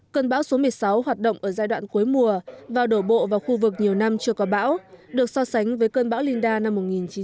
cơn bão số một mươi sáu hoạt động ở giai đoạn cuối mùa và đổ bộ vào khu vực nhiều năm chưa có bão được so sánh với cơn bão linda năm một nghìn chín trăm bảy mươi